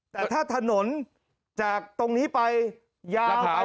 แต่ถ้าถนนจากตรงนี้ไปยากไป